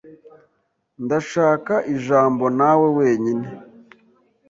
Ndashaka ijambo nawe wenyine.